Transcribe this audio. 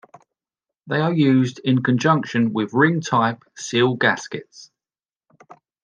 They are used in conjunction with ring type seal gaskets.